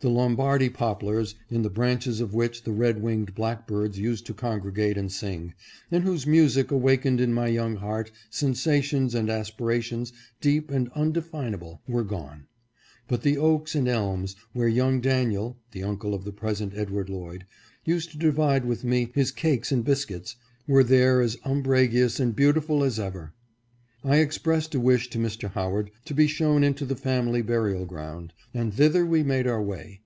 The Lombardy poplars, in the branches of which the red winged black birds used to congregate and sing, and whose music awakened in my young heart sensations and aspirations deep and undefin able, were gone; but the oaks and elms, where young Daniel (the uncle of the present Edward Lloyd) used to divide with me his cakes and biscuits, were there as um brageous and beautiful as ever. I expressed a wish to Mr. Howard to be shown into the family burial ground, and thither we made our way.